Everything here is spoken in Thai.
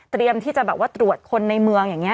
ที่จะแบบว่าตรวจคนในเมืองอย่างนี้